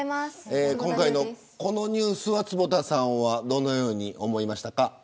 今回のこのニュースは坪田さんはどのように思いましたか。